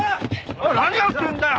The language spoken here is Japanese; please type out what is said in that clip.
おい何やってんだよ！